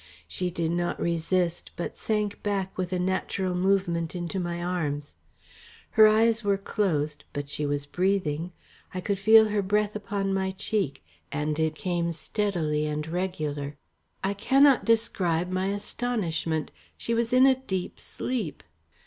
She did not resist but sank back with a natural movement into my arms. Her eyes were closed, but she was breathing. I could feel her breath upon my cheek and it came steadily and regular. I cannot describe my astonishment; she was in a deep sleep.